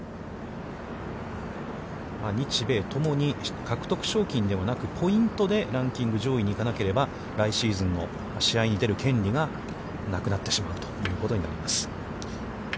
日米ともに獲得賞金ではなく、ポイントでランキング上位に行かなければ、来シーズンの試合に出る権利がなくなってしまうということになります。